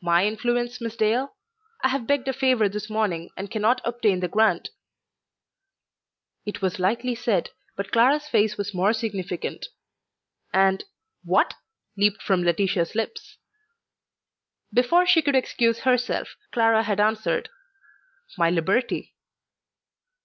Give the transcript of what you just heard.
"My influence, Miss Dale? I have begged a favour this morning and can not obtain the grant." It was lightly said, but Clara's face was more significant, and "What?" leaped from Laetitia's lips. Before she could excuse herself, Clara had answered: "My liberty."